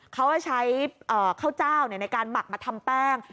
เขาจะใช้ข้าวเจ้าในการหมักมาทำแป้ง